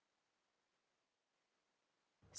dianggap sebagai pengurusan visa